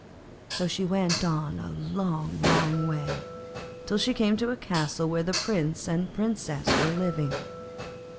So she went on a long, long way, till she came to the castle where the Prince and Princess were living.